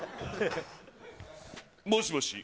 もしもし。